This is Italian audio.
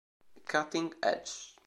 Cutting Edge